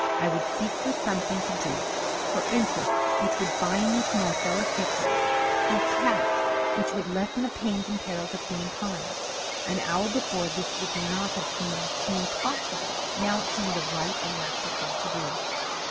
I would seek for something to do for interests which would bind me to my fellow creatures for tasks which would lessen the pains and perils of humankind. An hour before, this would not have seemed to me possible; now it seemed the right and natural thing to do.